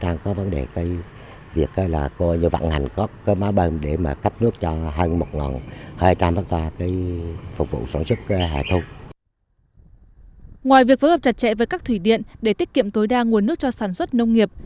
ngoài việc phối hợp chặt chẽ với các thủy điện để tiết kiệm tối đa nguồn nước cho sản xuất nông nghiệp